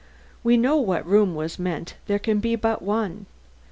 We know what room was meant; there can be but one.